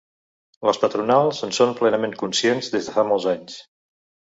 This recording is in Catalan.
Les patronals en són plenament conscients des de fa molts anys.